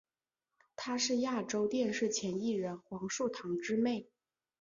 她是亚洲电视前艺人黄树棠之妹。